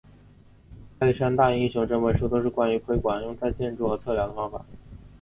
亚历山大英雄整本书都是关于窥管用在建筑和测量的方法。